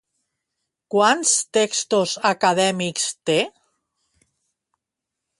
Quants textos acadèmics té?